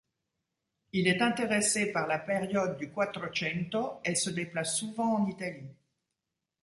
Il est intéressé par la période du Quattrocento et se déplace souvent en Italie.